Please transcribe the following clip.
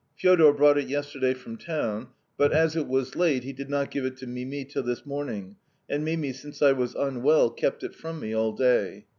Fedor brought it yesterday from town, but, as it was late, he did not give it to Mimi till this morning, and Mimi (since I was unwell) kept it from me all day.